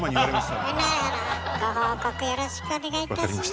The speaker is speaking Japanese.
ご報告よろしくお願いいたします。